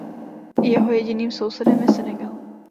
Jeho jediným sousedem je Senegal.